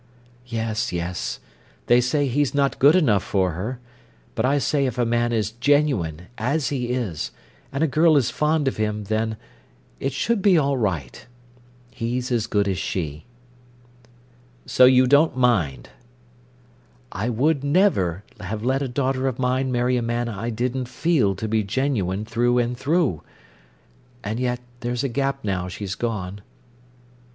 "Yes, yes. They say he's not good enough for her. But I say if a man is genuine, as he is, and a girl is fond of him—then—it should be all right. He's as good as she." "So you don't mind?" "I would never have let a daughter of mine marry a man I didn't feel to be genuine through and through. And yet, there's a gap now she's gone."